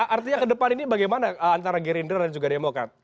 artinya kedepan ini bagaimana antara gerinda dan juga demokrat